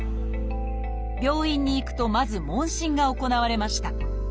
病院に行くとまず問診が行われました。